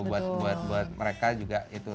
buat mereka juga gitu